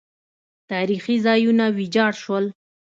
تاریخي ځایونه ویجاړ شول